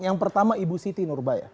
yang pertama ibu siti nurbaya